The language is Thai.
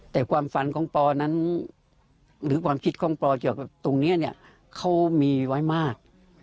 แต่ความฝันของปอนั้นหรือความคิดของปอเกี่ยวกับตรงนี้เนี่ยเขามีไว้มาก